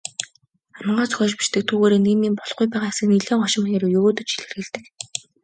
Онигоо зохиож бичдэг, түүгээрээ нийгмийн болохгүй байгаа хэсгийг нэлээн хошин маягаар егөөдөж илэрхийлдэг.